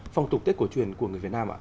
phong tục tết cổ truyền của người việt nam ạ